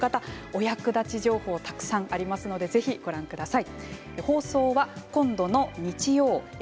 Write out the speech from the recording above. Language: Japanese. お役立ち情報たくさんありますのでぜひご覧ください。